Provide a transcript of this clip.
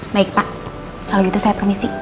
baik pak kalau gitu saya permisi